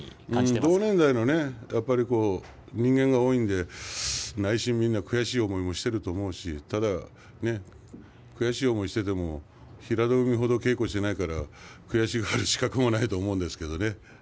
同年代の人間が多いので内心、みんな悔しい思いもしていると思うしただ悔しい思いをしていても平戸海ほど稽古をしていないから悔しがる資格もないと思うんですけどね。